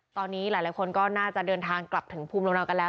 ตอนนี้หลายคนก็น่าจะเดินทางกลับถึงภูมิลำเนากันแล้ว